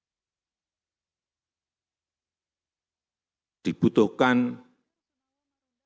jangan menggunakan sesuatu yang standar karena ini keadanya tidak normal sangat tidak normal